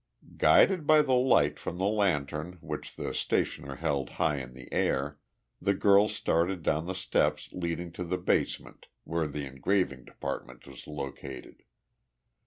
Guided by the light from the lantern which the stationer held high in the air, the girl started down the steps leading to the basement where the engraving department was located.